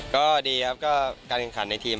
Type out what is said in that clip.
ก็ดีครับการกันขันในทีม